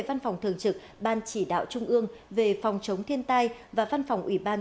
văn phòng thường trực ban chỉ đạo trung ương về phòng chống thiên tai và văn phòng ủy ban